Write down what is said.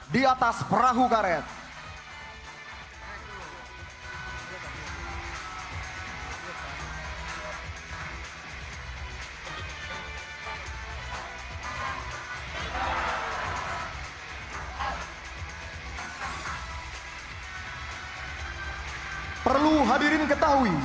di atas perahu karet